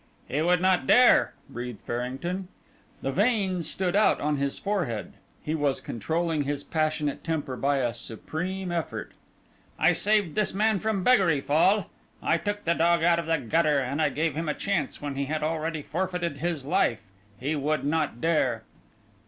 "He would not dare," breathed Farrington. The veins stood out on his forehead; he was controlling his passionate temper by a supreme effort. "I saved this man from beggary, Fall; I took the dog out of the gutter, and I gave him a chance when he had already forfeited his life. He would not dare!"